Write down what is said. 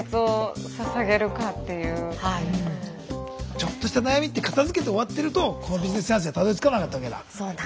ちょっとした悩みって片づけて終わってるとこのビジネスチャンスにはたどりつかなかったわけだ。